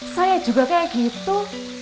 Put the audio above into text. saya juga kayak gitu